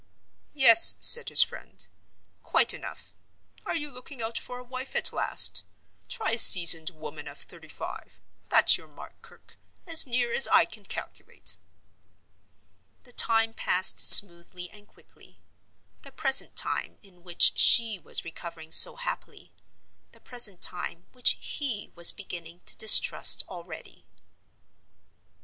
"Yes," said his friend; "quite enough. Are you looking out for a wife at last? Try a seasoned woman of thirty five—that's your mark, Kirke, as near as I can calculate." The time passed smoothly and quickly—the present time, in which she was recovering so happily—the present time, which he was beginning to distrust already.